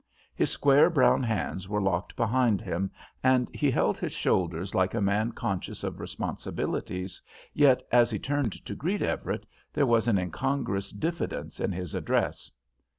His square brown hands were locked behind him, and he held his shoulders like a man conscious of responsibilities, yet, as he turned to greet Everett, there was an incongruous diffidence in his address.